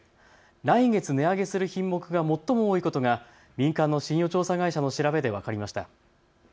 来月、値上げする品目が最も多いことが民間の信用調査会社の調べで分かりました。